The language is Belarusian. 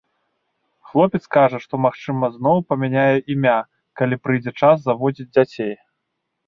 Хлопец кажа, што, магчыма, зноў памяняе імя, калі прыйдзе час заводзіць дзяцей.